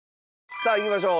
さあいきましょう。